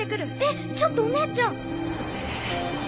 えちょっとお姉ちゃん！